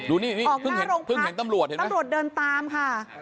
ออกหน้าโรงพักตำรวจเดินตามค่ะ